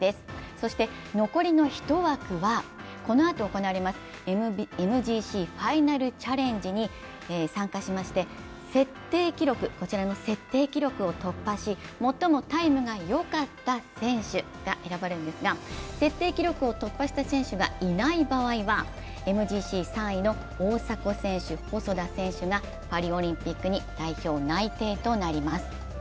そして残りの１枠はこのあと行われますＭＧＣファイナルチャレンジに参加しまして、こちらの設定記録を突破し、最もタイムがよかった選手が選ばれるんですが、設定記録を突破した選手がいない場合はＭＧＣ３位の大迫選手、細田選手がパリオリンピックに代表内定となります。